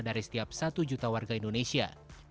dari setiap satu juta warga indonesia